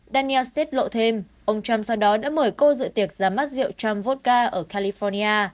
daniels tiết lộ thêm ông trump sau đó đã mời cô dự tiệc ra mắt rượu trump vodka ở california